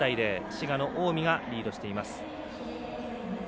滋賀の近江がリードしています。